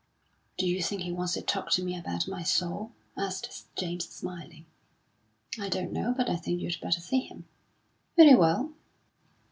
"Do you think he wants to talk to me about my soul?" asked James, smiling. "I don't know; but I think you'd better see him." "Very well."